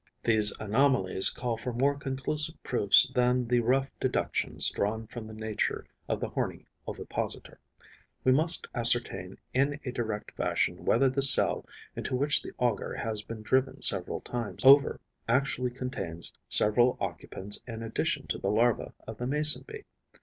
These anomalies call for more conclusive proofs than the rough deductions drawn from the nature of the horny ovipositor. We must ascertain in a direct fashion whether the cell into which the auger has been driven several times over actually contains several occupants in addition to the larva of the Mason bee.